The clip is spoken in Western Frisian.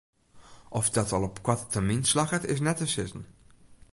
Oft dat al op koarte termyn slagget is net te sizzen.